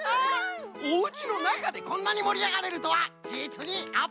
おうちのなかでこんなにもりあがれるとはじつにあっぱれじゃ！